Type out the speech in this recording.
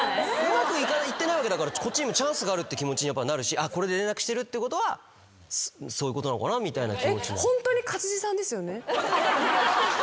うまくいってないからこっちにもチャンスがあるって気持ちになるしこれで連絡してるってことはそういうことなのかなみたいな。